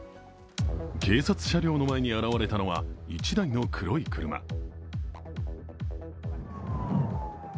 警察車両の前に現れたのは１台の黒い車。